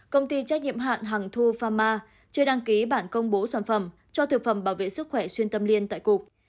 công ty trách nhiệm hạng hàng thu pharma chưa đăng ký bản công bố sản phẩm cho thực phẩm bảo vệ sức khỏe xuyên tâm liên tại cục